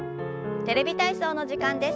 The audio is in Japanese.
「テレビ体操」の時間です。